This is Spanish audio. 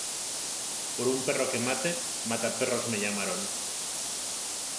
Por un perro que mate, mata-perros me llamaron.